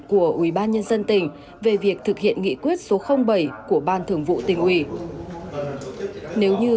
của ủy ban nhân dân tỉnh về việc thực hiện nghị quyết số bảy của ban thường vụ tỉnh ủy nếu như